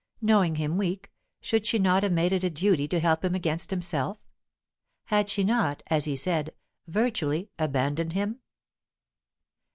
Knowing him weak, should she not have made it a duty to help him against himself? Had she not, as he said, virtually "abandoned" him?